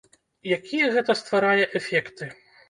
Якія гэта стварае эфекты?